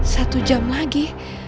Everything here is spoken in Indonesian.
satu jam lagi